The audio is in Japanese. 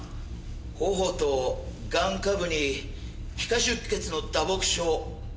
頬と眼窩部に皮下出血の打撲傷。